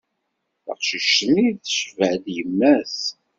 Taqcict-nni tecba-d yemma-s.